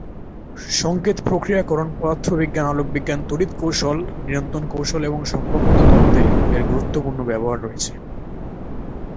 সংকেত প্রক্রিয়াকরণ, পদার্থবিজ্ঞান, আলোকবিজ্ঞান, তড়িৎ কৌশল, নিয়ন্ত্রণ কৌশল এবং সম্ভাব্যতা তত্ত্বে এর গুরুত্বপূর্ণ ব্যবহার রয়েছে।